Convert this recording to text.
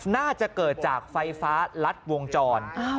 น่าจะเกิดจากไฟฟ้ารัดวงจร